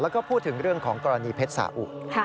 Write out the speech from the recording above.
แล้วก็พูดถึงเรื่องของกรณีเพชรสาอุ